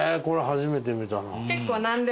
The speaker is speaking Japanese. これ初めて見たな。